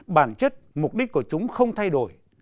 bản chất mục đích của chúng không thay đổi